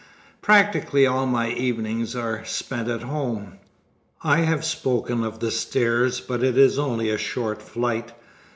Practically all my evenings are spent at home. I have spoken of the stairs, but it is only a short flight.